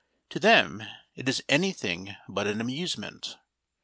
To them it is anything but an amusement.